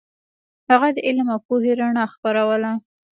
هغه د علم او پوهې رڼا خپروله.